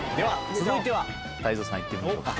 続いては泰造さん行ってみましょうか。